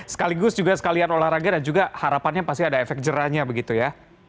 sekaligus juga sekalian olahraga dan juga harapannya pasti ada efek jerahnya begitu ya